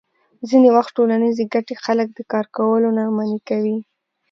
ځینې وخت ټولنیزې ګټې خلک د کار کولو نه منع کوي.